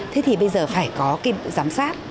thế thì bây giờ phải có cái giám sát